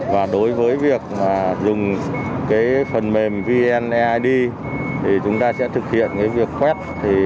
và đối với việc dùng phần mềm vn eid thì chúng ta sẽ thực hiện việc quét